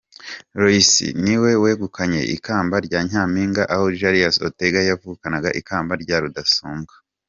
Loise niwe wegukanye ikamba rya Nyampinga naho Jarius Ongetta yegukana ikamba rya Rudasumbwa.